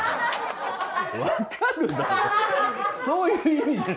そういう意味じゃ。